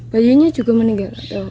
bayinya juga meninggal